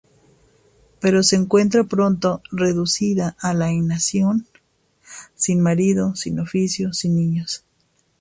Pero se encuentra pronto reducida a la inacción, sin marido, sin oficio, sin niños.